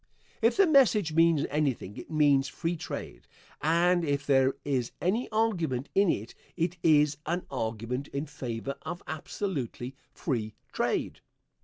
If the message means anything it means free trade, and if there is any argument in it it is an argument in favor of absolutely free trade.